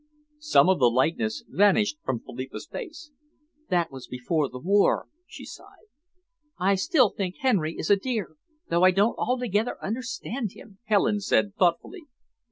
Some of the lightness vanished from Philippa's face. "That was before the war," she sighed. "I still think Henry is a dear, though I don't altogether understand him," Helen said thoughtfully.